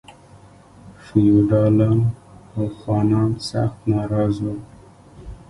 فیوډالان او خانان سخت ناراض ول.